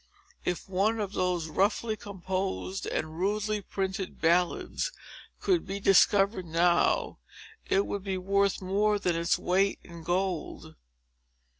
If one of those roughly composed and rudely printed ballads could be discovered now, it would be worth more than its weight in gold.